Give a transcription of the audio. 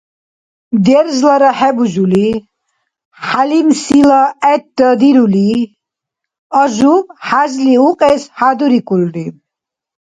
– Держлара хӀебужули, хӀялимсила гӀерра дирули, Ажуб хӀяжли укьес хӀядурикӀулри.